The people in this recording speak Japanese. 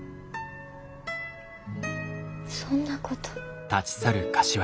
そんなこと。